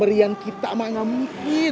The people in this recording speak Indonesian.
beri yang kita mak gak mungkin